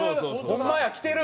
ホンマやきてる！